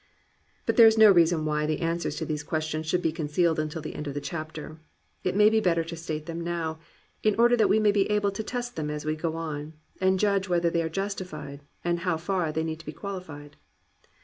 But there is no reason why the answers to these questions should be concealed until the end of the chapter. It may be better to state them now, in order that we may be able to test them as we go on, and judge whether they are justified and how far they need to be quahfied.